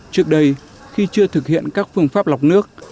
trước đây khi chưa thực hiện các phương pháp lọc nước